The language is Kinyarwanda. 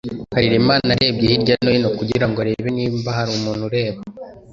Harerimana yarebye hirya no hino kugira ngo arebe niba hari umuntu ureba